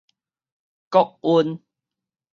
國恩